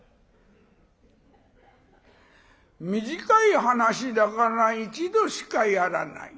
「短い噺だから一度しかやらない。